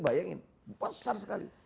bayangin besar sekali